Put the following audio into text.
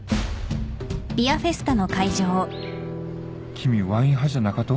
君ワイン派じゃなかと？